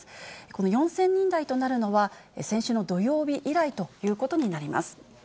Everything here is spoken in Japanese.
この４０００人台となるのは、先週の土曜日以来ということになります。